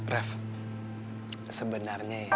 rev sebenarnya ya